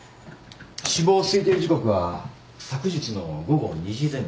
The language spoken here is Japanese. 死亡推定時刻は昨日の午後２時前後。